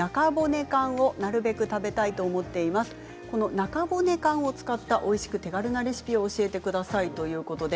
中骨缶を使ったおいしく手軽なレシピを教えてくださいということです。